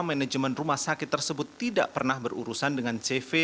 manajemen rumah sakit tersebut tidak pernah berurusan dengan cv